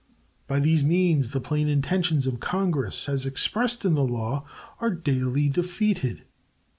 By these means the plain intentions of Congress, as expressed in the law, are daily defeated.